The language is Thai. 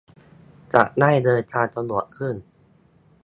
จะได้เดินทางสะดวกขึ้น